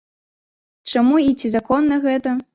Чаму і ці законна гэта?